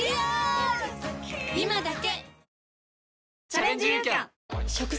今だけ！